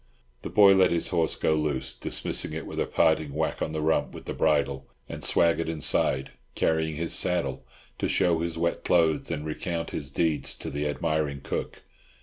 The boy let his horse go loose, dismissing it with a parting whack on the rump with the bridle, and swaggered inside, carrying his saddle, to show his wet clothes and recount his deeds to the admiring cook.